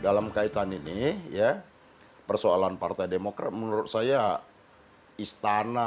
dalam kaitan ini persoalan partai demokrat menurut saya istana